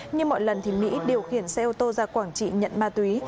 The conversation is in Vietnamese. như mọi lần thì mỹ điều khiển xe ô tô ra quảng trị nhận ma túy